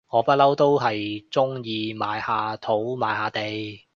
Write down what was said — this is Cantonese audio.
我不嬲都係中意買下土買下地